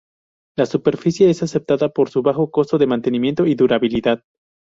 La superficie es aceptada por su bajo costo de mantenimiento y durabilidad.